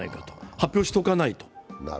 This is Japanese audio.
発表しておかないと。